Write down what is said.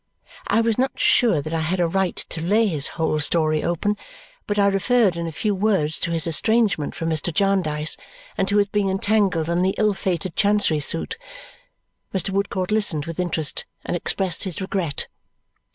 I was not sure that I had a right to lay his whole story open, but I referred in a few words to his estrangement from Mr Jarndyce and to his being entangled in the ill fated Chancery suit. Mr. Woodcourt listened with interest and expressed his regret.